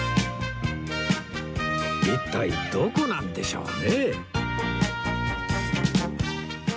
一体どこなんでしょうね？